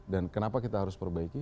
kenapa kita harus perbaiki